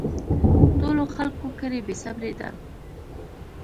ټولو خلکو کړی بې صبري ده